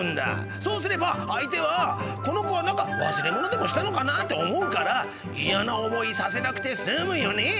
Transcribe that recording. そうすれば相手は「この子はなにか忘れ物でもしたのかな？」って思うからいやな思いさせなくてすむよね。